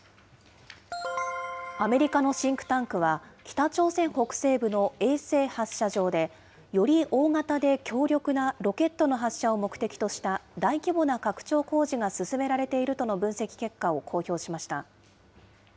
アメリカのシンクタンクは、北朝鮮北西部の衛星発射場で、より大型で強力なロケットの発射を目的とした大規模な拡張工事が進められているとの分析結果を公表しました。